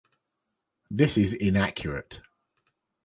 This is inaccurate.